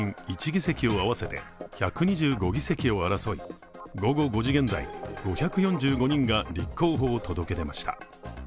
１議席を合わせて１２５議席を争い、午後５時現在５４５人が立候補を届け出ました。